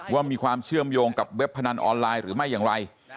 ว่ามีความเชื่อมโยงกับเว็บพนันออนไลน์หรือไม่อย่างไร